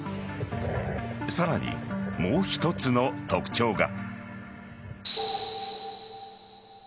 さらに、もう一つの特徴が。